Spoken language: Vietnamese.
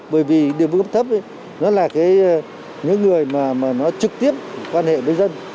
bởi vì địa phương thấp nó là những người mà nó trực tiếp quan hệ với dân